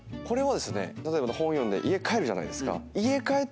これはですね例えば本読んで家帰るじゃないですか。